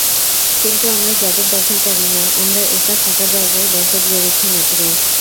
কিন্তু আমরা জবর-দখলকারী না, আমরা একটা ফাঁকা জায়গায় বসত গেড়েছি মাত্র।